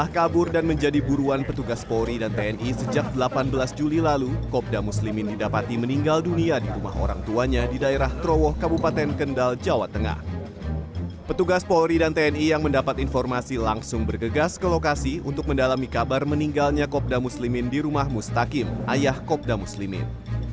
kopda muslimin di rumah mustaqim ayah kopda muslimin